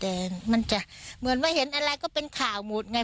แต่มันจะเหมือนเห็นอะไรก็เป็นข่าวมูตรไง